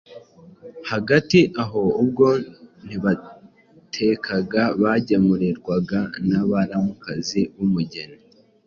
Hagati aho ubwo ntibatekaga, bagemurirwaga na baramukazi b’umugeni.